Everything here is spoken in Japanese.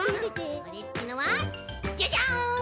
オレっちのはジャジャン！